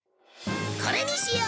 これにしよう！